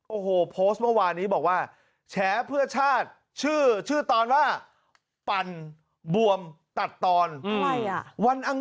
โอ้โหโพสต์เมื่อวานี้บอกว่า